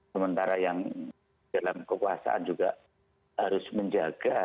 sementara yang dalam kekuasaan juga harus menjaga